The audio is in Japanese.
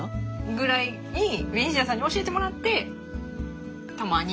ぐらいにベニシアさんに教えてもらってたまに。